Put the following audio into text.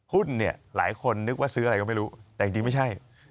หุ้นเนี่ยหลายคนนึกว่าซื้ออะไรก็ไม่รู้แต่จริงไม่ใช่